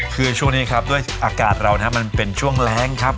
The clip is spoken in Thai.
คือช่วงนี้ครับด้วยอากาศเรานะครับมันเป็นช่วงแรงครับ